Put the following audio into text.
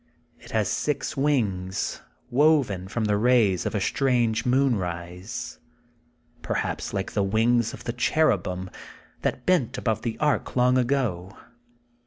It has six wings, woven from the rays of a strange moonrise, perhaps like the wings of the cherubim, that bent above the ark long ago.